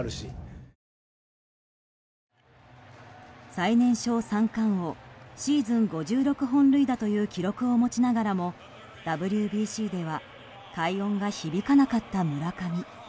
最年少三冠王シーズン５６本塁打という記録を持ちながらもＷＢＣでは快音が響かなかった村上。